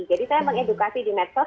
jadi saya mengedukasi di medsos